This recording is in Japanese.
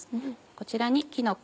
こちらにきのこ。